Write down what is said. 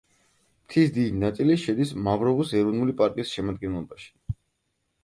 მთის დიდი ნაწილი შედის მავროვოს ეროვნული პარკის შემადგენლობაში.